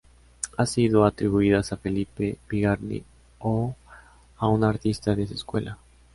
Han sido atribuidas a Felipe Bigarny o a un artista de su escuela.